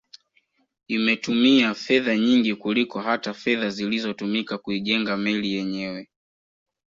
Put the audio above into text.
Imetumia fedha nyingi kuliko hata fedha zilizotumika kuijenga meli yenyewe